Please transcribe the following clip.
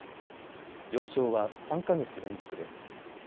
上昇は３か月連続です。